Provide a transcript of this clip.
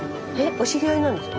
お知り合いなんですか？